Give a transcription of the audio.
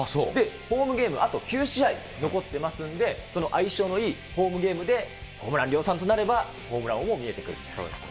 ホームゲーム、あと９試合残ってますんで、その相性のいいホームゲームでホームラン量産となればホームランそうですか。